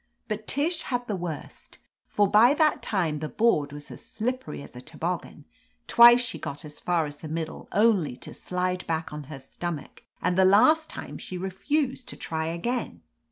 But Tish had the worst, for by that time the board was as slip pery as a toboggan ; twice she got as far as the middle, only to slide back on her stomach, and the last time she refused to try again.